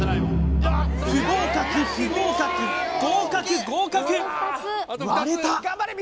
不合格不合格合格合格割れた！